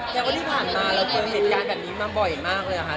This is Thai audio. แค่ว่าที่ผ่านมาแล้วเจอเหตุการณ์แบบนี้มาบ่อยมากเลยค่ะ